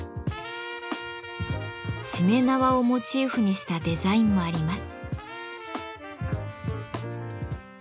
しめ縄をモチーフにしたデザインもあります。